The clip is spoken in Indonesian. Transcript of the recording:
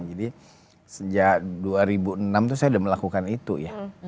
jadi sejak dua ribu enam tuh saya udah melakukan itu ya